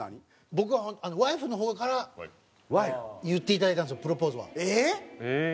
僕はワイフの方から言っていただいたんですよプロポーズは。えっ！？